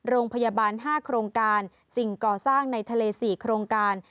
โรงพยาบาล๕โครงการสิ่งก่อสร้างในทะเล๔โครงการ